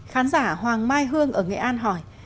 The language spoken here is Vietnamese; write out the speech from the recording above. khán giả hoàng mai hương ở nghệ an hỏi